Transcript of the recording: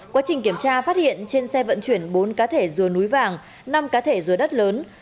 quá trình kiểm tra phát hiện trên xe vận chuyển bốn cá thể rùa núi vàng năm cá thể rùa đất lớn